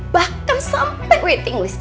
bahkan sampai waiting list